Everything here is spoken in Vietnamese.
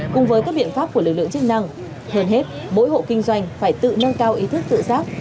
cùng với các biện pháp của lực lượng chức năng hơn hết mỗi hộ kinh doanh phải tự nâng cao ý thức tự giác